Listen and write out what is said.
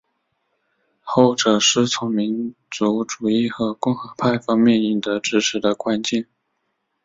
后者是从民族主义和共和派方面赢得支持的关键。